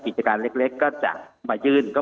กิจการเล็กก็จะมายื่น